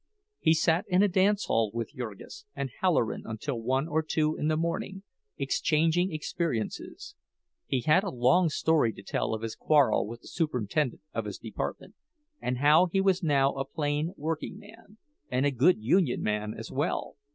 He sat in a dance hall with Jurgis and Halloran until one or two in the morning, exchanging experiences. He had a long story to tell of his quarrel with the superintendent of his department, and how he was now a plain workingman, and a good union man as well.